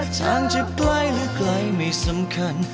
ทางจะใกล้หรือไกลไม่สำคัญ